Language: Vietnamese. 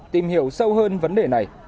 tìm hiểu sâu hơn vấn đề này